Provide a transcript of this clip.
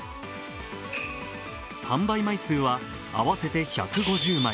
販売枚数は合わせて１５０枚。